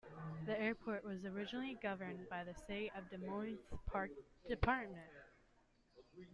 The airport was originally governed by the City of Des Moines' Parks Department.